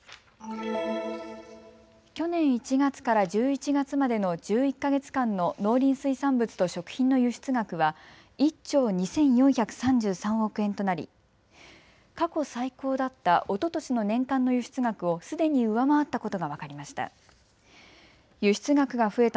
去年１月から１１月までの１１か月間の農林水産物と食品の輸出額は１兆２４３３億円となり過去最高だったおととしの年間の輸出額をすでに上回ったことが分かりました。